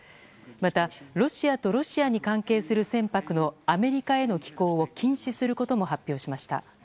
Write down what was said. また、ロシアとロシアに関係する船舶のアメリカへの寄港を禁止することも発表しました。